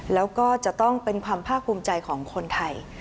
แล้วก็จะต้องเป็นความภาคภูมิใจของคนไทย